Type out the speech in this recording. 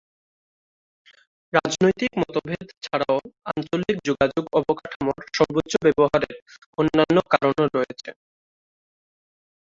রাজনৈতিক মতভেদ ছাড়াও আঞ্চলিক যোগাযোগ অবকাঠামোর সর্বোচ্চ ব্যবহারের অন্যান্য কারণও রয়েছে।